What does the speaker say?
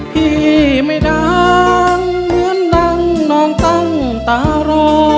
พี่ไม่ดังเหมือนดังน้องตั้งตารอ